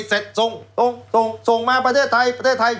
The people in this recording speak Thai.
ผลิตเสร็จส่งตรงทรงส่งมาประเทศไทยประเทศไทย